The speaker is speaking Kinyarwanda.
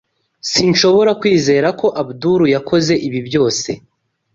Sinshobora kwizera ko Abdul yakoze ibi byose.